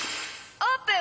オープン！